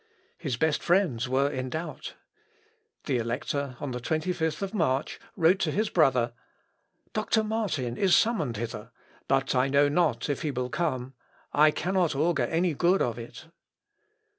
His best friends were in doubt. The Elector on the 25th of March wrote his brother "Doctor Martin is summoned hither, but I know not if he will come. I cannot augur any good of it."